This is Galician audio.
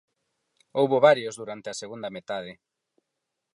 Houbo varios durante a segunda metade.